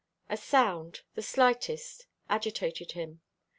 A sound, the slightest, agitated him.